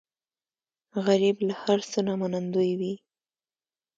غریب له هر څه نه منندوی وي